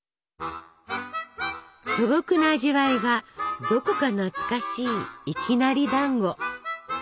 素朴な味わいがどこか懐かしいいきなりだんご。